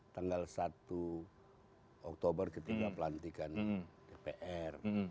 tanggal satu oktober ketika pelantikan dpr